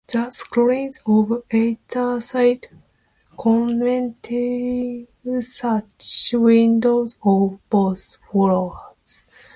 The sections on either side contained sash windows on both floors.